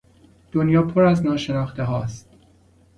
دنیا پر از ناشناخته هاست